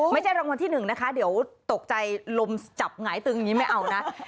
ไม่ใช่รางวัลที่หนึ่งนะคะเดี๋ยวตกใจลมจับหงายตึงอย่างนี้ไม่เอานะ